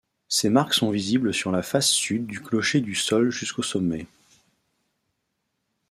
Ces marques sont visibles sur la face Sud du clocher du sol jusqu'au sommet.